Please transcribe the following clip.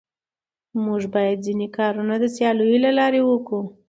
موږ بايد ځيني کارونه د سياليو له لاري وکو.